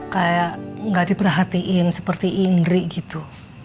kayak nggak diperhatiin seperti indri gitu